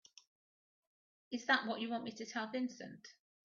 Is that what you want me to tell Vincent?